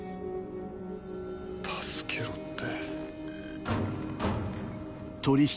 「助けろ」って。